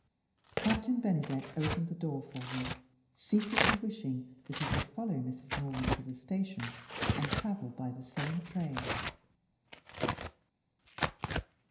Captain Bennydeck opened the door for them, secretly wishing that he could follow Mrs. Norman to the station and travel by the same train.